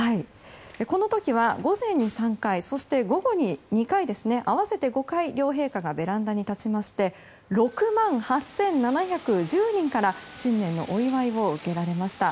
この時は午前に３回午後に２回、合わせて５回両陛下がベランダに立ちまして６万８７１０人から新年のお祝いを受けられました。